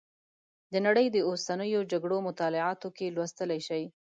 د نړۍ د اوسنیو جګړو مطالعاتو کې لوستلی شئ.